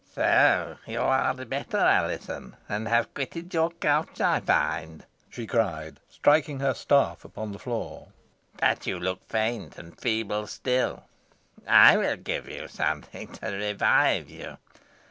"Soh, you are better, Alizon, and have quitted your couch, I find," she cried, striking her staff upon the floor. "But you look faint and feeble still. I will give you something to revive you.